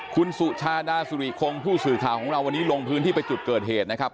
คุณสุชาดาสุริคงผู้สื่อข่าวของเราวันนี้ลงพื้นที่ไปจุดเกิดเหตุนะครับ